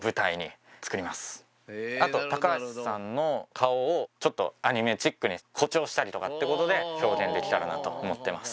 あと高橋さんの顔をちょっとアニメチックに誇張したりとかってことで表現できたらなと思ってます。